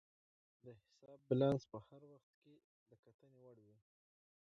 د حساب بیلانس په هر وخت کې د کتنې وړ وي.